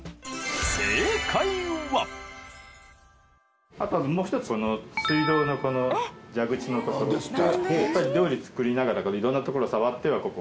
正解はあとはもうひとつこの水道のこの蛇口のところとかやっぱり料理作りながらいろんなところ触ってはここ。